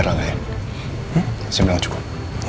gak ada yang cukup